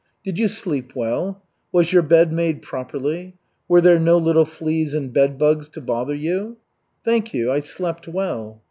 "Did you sleep well? Was your bed made properly? Were there no little fleas and bedbugs to bother you?" "Thank you. I slept well."